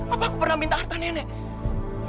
apa aku pernah minta harta nenek